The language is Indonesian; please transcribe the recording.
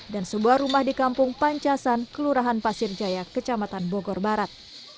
dan sebuah rumah di kampung pancasan kelurahan pasir jaya kecamatan bogor barat